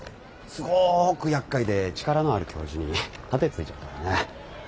すごくやっかいで力のある教授に盾ついちゃったからね。